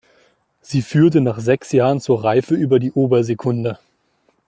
Sie führte nach sechs Jahren zur Reife über die Obersekunda.